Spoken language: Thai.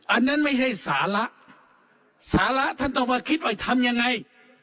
อันนั้นไม่ใช่สาระสาระท่านต้องมาคิดว่าทำยังไง